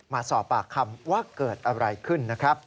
มาสอบปากคำว่าเกิดอะไรขึ้นนะครับ